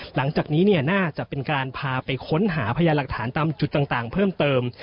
หลังจากนี้น่าจะเป็นการพาไปค้นหาพยานหลักฐานตามจุดต่างเพิ่มเติม